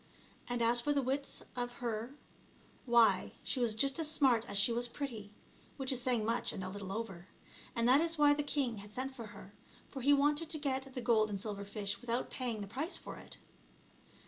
And as for the wits of her, why, she was just as smart as she was pretty (which is saying much and a little over), and that is why the king had sent for her, for he wanted to get the gold and silver fish without paying the price for it.